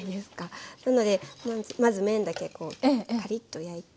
なのでまず麺だけこうカリッと焼いて。